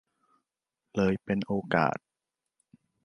เลยเป็นโอกาส